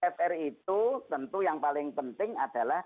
fr itu tentu yang paling penting adalah